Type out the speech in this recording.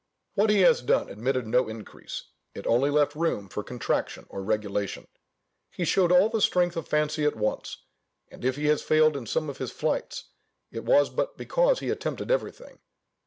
What he has done admitted no increase, it only left room for contraction or regulation. He showed all the stretch of fancy at once; and if he has failed in some of his flights, it was but because he attempted everything.